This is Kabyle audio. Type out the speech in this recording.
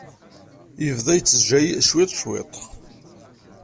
Yebda yettejjey cwiṭ, cwiṭ.